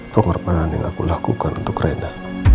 pengorbanan yang aku lakukan untuk reda